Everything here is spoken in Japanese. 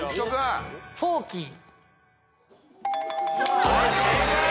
フォーキー！？